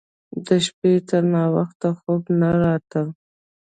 د شپې تر ناوخته خوب نه راته.